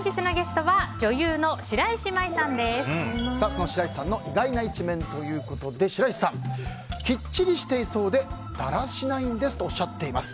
その白石さんの意外な一面ということで白石さん、きっちりしていそうでだらしないんですとおっしゃっています。